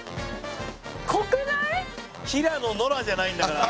平野ノラじゃないんだから。